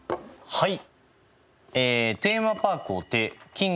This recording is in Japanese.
はい。